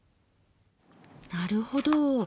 なるほど。